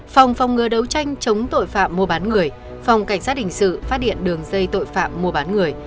phòng phòng ngừa đấu tranh chống tội phạm mua bán người phòng cảnh sát hình sự phát điện đường dây tội phạm mua bán người